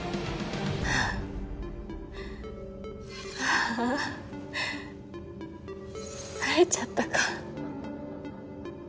あーあバレちゃったか。